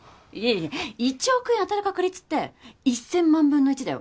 １億円当たる確率って１０００万分の１だよ。